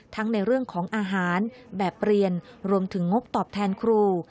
ในเรื่องของอาหารแบบเรียนรวมถึงงบตอบแทนครู